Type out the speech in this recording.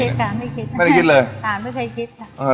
ไม่เคยค่ะไม่เคยคิดเลยไม่เคยคิดค่ะ